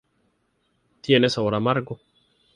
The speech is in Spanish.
Tiene sabor amargo.